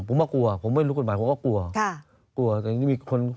ผมก็กลัวผมไม่รู้ความหมายผมก็กลัวค่ะกลัวแต่นี่มีคน